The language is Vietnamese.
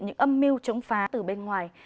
những âm mưu chống phá từ bên ngoài